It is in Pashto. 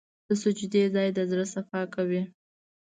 د سجدې ځای د زړه صفا کوي.